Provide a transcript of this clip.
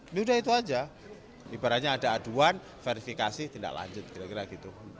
ini udah itu aja ibaratnya ada aduan verifikasi tindak lanjut kira kira gitu